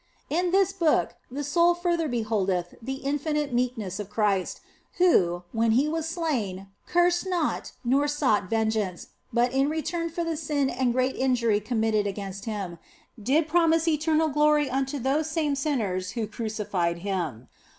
In this Book the soul further beholdeth the infinite meekness of Christ, who, when He was slain, cursed not nor sought vengeance, but in return for the sin and great G 98 THE BLESSED ANGELA injury committed against Him, did promise eternal glory unto those same sinners who crucified Him.